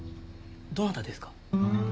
どなたですか？